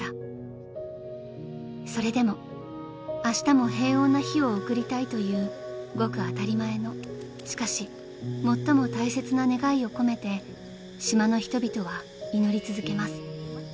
［それでもあしたも平穏な日を送りたいというごく当たり前のしかし最も大切な願いを込めて島の人々は祈り続けます］